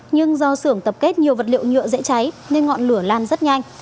nhưng do xưởng tập kết nhiều vật liệu nhựa dễ cháy nên ngọn lửa lan rất nhanh